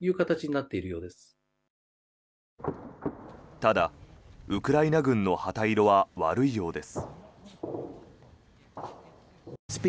ただ、ウクライナ軍の旗色は悪いようです。